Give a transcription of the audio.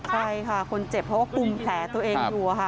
ใช่ค่ะคนเจ็บเพราะว่ากลุ่มแผลตัวเองอยู่ค่ะ